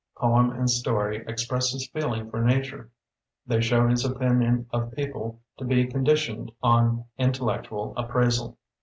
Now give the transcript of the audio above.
Poem and story ex press his feeling for nature; they show his opinion of people to be con ditioned on intellectual appraisal.